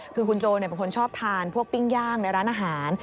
คือคุณโจเป็นคนชอบทานพวกปิ้งย่างในร้านอาหาร